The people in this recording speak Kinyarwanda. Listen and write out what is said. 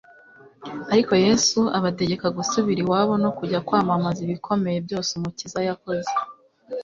Ariko Yesu abategeka gusubira iwabo no kujya kwamamaza ibikomeye byose Umukiza yakoze.